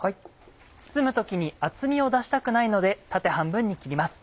包む時に厚みを出したくないので縦半分に切ります。